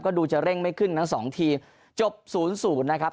ดูจะเร่งไม่ขึ้นทั้งสองทีมจบ๐๐นะครับ